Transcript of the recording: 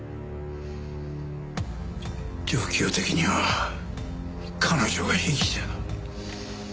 状況的には彼女が被疑者だ。